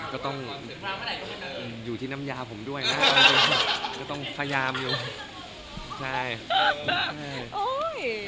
ก็ต้องอยู่ที่น้ำยาผมด้วยนะต้องพยามอยู่